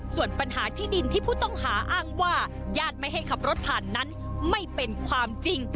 ส่วนปัญหาที่ดินที่ผู้ต้องหาอ้างว่าญาติไม่ให้ขับรถผ่านนั้นไม่เป็นความจริง